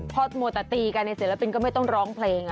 พอมัวแต่ตีกันในศิลปินก็ไม่ต้องร้องเพลง